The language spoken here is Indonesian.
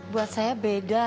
buat saya beda